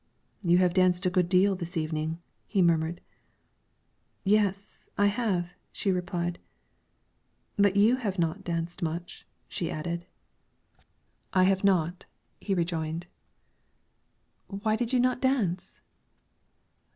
"You have danced a good deal this evening," he murmured. "Yes, I have," she replied, "but you have not danced much," she added. "I have not," he rejoined. "Why did you not dance?"